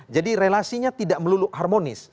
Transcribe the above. jadi relasinya tidak melulu harmonis